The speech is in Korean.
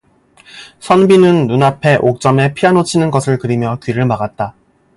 선비는 눈앞에 옥점의 피아노 치는 것을 그리며 귀를 막았다.